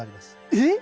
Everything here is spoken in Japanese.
えっ！